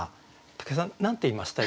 武井さん何て言いました？